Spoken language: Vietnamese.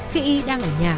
khi đang ở nhà